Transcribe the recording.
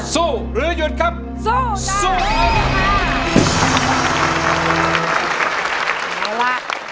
สู้หรือยุดครับสู้หรือยุดครับ